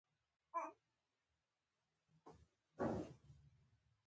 ما د هغې سوله ييزه سندره تل په ياد ده